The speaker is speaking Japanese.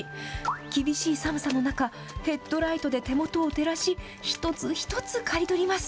厳しい寒さの中、ヘッドライトで手元を照らし、一つ一つ刈り取ります。